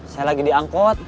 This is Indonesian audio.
saya lagi diangkut